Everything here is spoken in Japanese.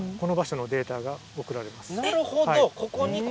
なるほど！